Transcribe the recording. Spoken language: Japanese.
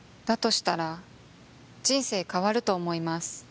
したら人生変わると思います